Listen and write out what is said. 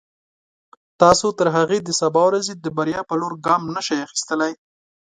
تاسو تر هغې د سبا ورځې د بریا په لور ګام نشئ اخیستلای.